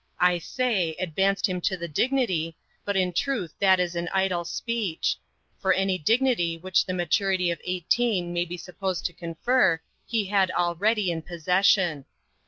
I say, "advanced him to the dignity" but in truth that is an idle speech; for any dignity which the maturity of eighteen may be supposed to confer he had already in possession.